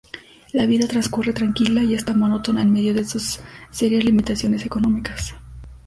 La vida transcurre tranquila y hasta monótona en medio de sus serias limitaciones económicas.